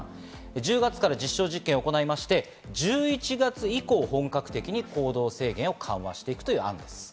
１０月から実証実験を行いまして、１１月以降、本格的に行動制限を緩和していくという案です。